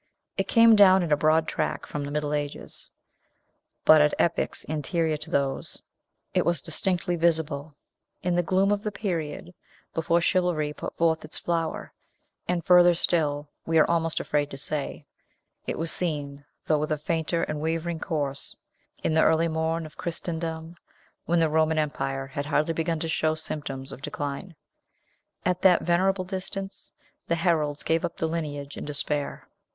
It came down in a broad track from the Middle Ages; but, at epochs anterior to those, it was distinctly visible in the gloom of the period before chivalry put forth its flower; and further still, we are almost afraid to say, it was seen, though with a fainter and wavering course, in the early morn of Christendom, when the Roman Empire had hardly begun to show symptoms of decline. At that venerable distance, the heralds gave up the lineage in despair.